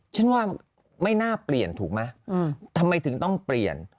ฉันว่าไม่น่าเปลี่ยนถูกไหมทำไมถึงต้องเปลี่ยน